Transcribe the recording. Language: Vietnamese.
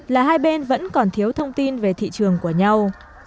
là hai bên vẫn còn thiếu thông tin về thị trường của nhau